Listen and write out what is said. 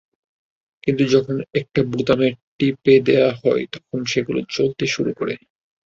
কিন্তু যখন একটা বোতাম টিপে দেওয়া হয়, তখন সেগুলো চলতে শুরু করে।